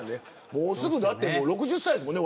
もうすぐ６０歳ですもんね